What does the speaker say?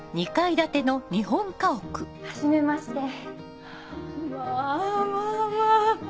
はじめましてまぁまぁまぁ！